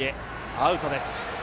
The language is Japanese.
アウトです。